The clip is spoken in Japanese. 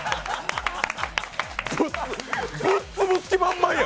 ぶっ潰す気、満々や。